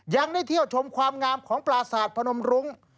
ยังได้เที่ยวชมความงามของปราศาสตร์พนมรุ้ง